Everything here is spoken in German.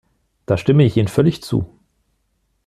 Da stimme ich Ihnen völlig zu.